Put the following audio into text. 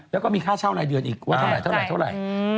แล้วก็มีค่าเช่ารายเดือนอีกว่าเท่าไหรเท่าไหร่